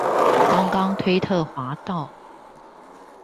剛剛推特滑到